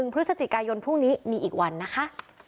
พฤศจิกายนพรุ่งนี้มีอีกวันนะคะ